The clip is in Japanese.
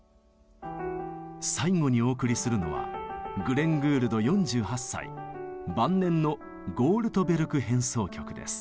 最後にお送りするのはグレン・グールド４８歳晩年の「ゴールトベルク変奏曲」です。